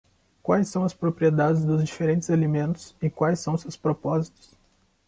Quais são as propriedades dos diferentes alimentos e quais são seus propósitos?